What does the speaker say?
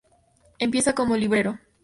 Empieza como librero.